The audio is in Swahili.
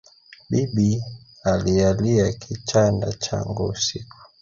Bibi aliiyalia kichanda changu usiku.